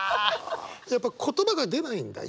やっぱ言葉が出ないんだ？